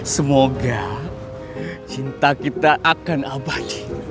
semoga cinta kita akan abai